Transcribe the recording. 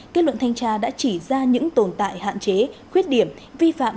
kết luận thanh tra đã chỉ ra những tồn tại hạn chế khuyết điểm vi phạm